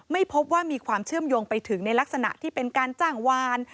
ไม่พบว่ามีความเชื่อมโยงไปถึงในลักษณะที่เป็นการจ้างวาน